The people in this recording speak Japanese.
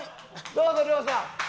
どうぞ亮さん。